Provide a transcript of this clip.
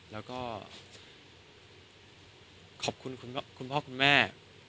แล้วก็ขอบคุณคุณพ่อคุณแม่